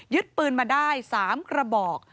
ปืนมาได้๓กระบอก